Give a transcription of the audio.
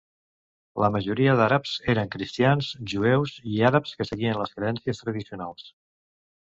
La majoria d'àrabs eren cristians, jueus i àrabs que seguien les creences tradicionals.